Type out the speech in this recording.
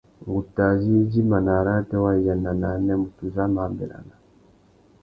Ngu tà zú idjima; nà arrātê wa iya na nānê, mutu uzu a má nʼbérana.